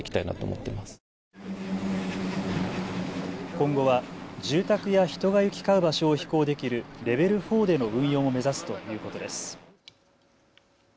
今後は住宅や人が行き交う場所を飛行できるレベル４での運用も目指すということです。